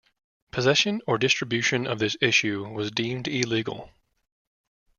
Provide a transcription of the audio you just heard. Possession or distribution of this issue was deemed illegal.